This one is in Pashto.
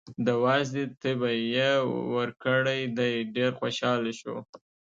د وازدې تبی یې ورکړی دی، ډېر خوشحاله شو.